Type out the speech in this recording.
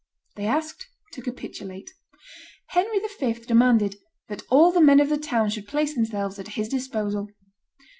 They asked to capitulate. Henry V. demanded that "all the men of the town should place themselves at his disposal."